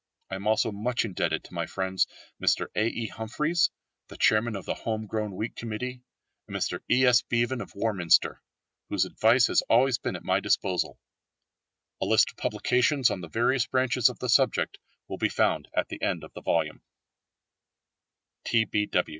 I am also much indebted to my friends, Mr A. E. Humphries, the chairman of the Home Grown Wheat Committee, and Mr E. S. Beaven of Warminster, whose advice has always been at my disposal. A list of publications on the various branches of the subject will be found at the end of the volume.